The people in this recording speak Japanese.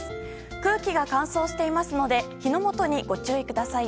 空気が乾燥していますので火の元にご注意ください。